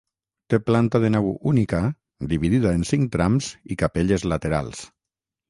Té planta de nau única dividida en cinc trams i capelles laterals.